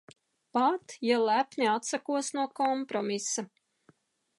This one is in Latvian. Pat, ja lepni atsakos no kompromisa.